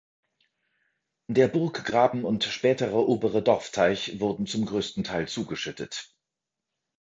Der Burggraben und spätere obere Dorfteich wurden zum größten Teil zugeschüttet.